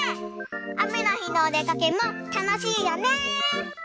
あめのひのおでかけもたのしいよね。